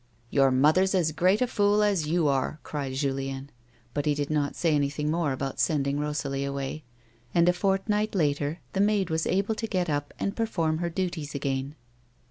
" Your mother's as great a fool as you are," cried Julien ; but he did not say anything more about sending Rosalie away, and a fortnight later the maid was able to get up and perform her duties again.